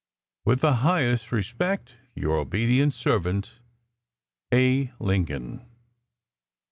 With the highest respect. Your obedient servant, A. LINCOLN.